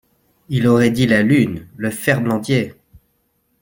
Il aurait dit la lune … le ferblantier !